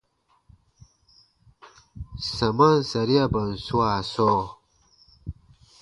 Samaan sariaban swaa sɔɔ.